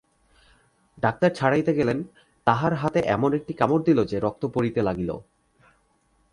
Doctor ছাড়াইতে গেলেন, তাঁহার হাতে এমন একটি কামড় দিল যে রক্ত পড়িতে লাগিল।